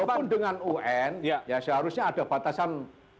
kalaupun dengan un seharusnya ada batasan